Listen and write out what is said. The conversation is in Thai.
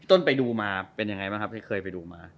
ไปดูมาเป็นยังไงบ้างครับที่เคยไปดูมา